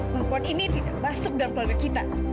semua ini tidak masuk dalam pelaga kita